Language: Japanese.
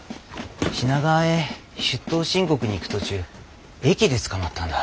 品川へ出頭申告に行く途中駅で捕まったんだ。